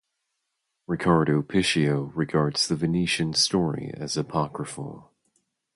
Riccardo Picchio regards the Venetian story as apocryphal.